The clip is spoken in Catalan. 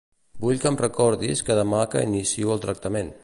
Vull que em recordis que demà que inicio el tractament.